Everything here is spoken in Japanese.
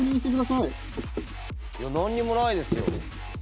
いや何もないですよ。